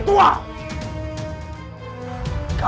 lepaskan nenek tua